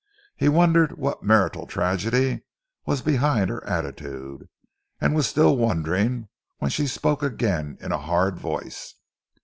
He wondered what marital tragedy was behind her attitude, and was still wondering, when she spoke again in a hard voice.